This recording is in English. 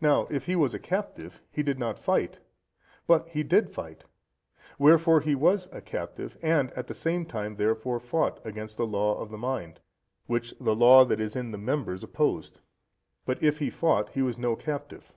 Now if he was a captive, he did not fight; but he did fight; wherefore he was a captive and at the same time therefore fought against the law of the mind, which the law that is in the members opposed; but if he fought, he was no captive.